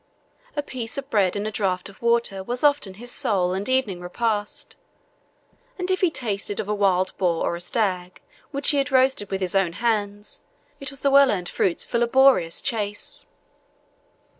A piece of bread and a draught of water was often his sole and evening repast; and if he tasted of a wild boar or a stag, which he had roasted with his own hands, it was the well earned fruit of a laborious chase.